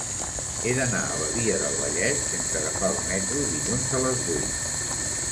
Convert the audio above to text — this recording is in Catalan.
He d'anar a Badia del Vallès sense agafar el metro dilluns a les vuit.